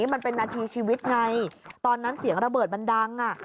มันเป็นนาทีชีวิตไงตอนนั้นเสียงระเบิดมันดัง